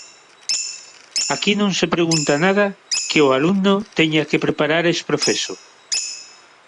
Aquí non se pregunta nada que o alumno teña que preparar ex professo.